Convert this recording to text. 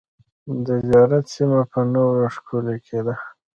د زیارت سیمه په ونو ښکلې ده .